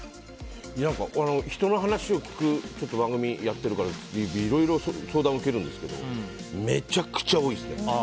俺、人の話を聞く番組やってるからいろいろ相談を受けるんですけどめちゃくちゃ多いですね。